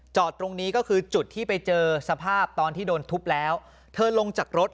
ตรงนี้ก็คือจุดที่ไปเจอสภาพตอนที่โดนทุบแล้วเธอลงจากรถ